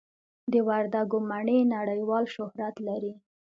د وردګو مڼې نړیوال شهرت لري.